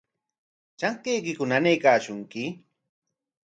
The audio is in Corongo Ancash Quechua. ¿Trankaykiku nanaykashunki?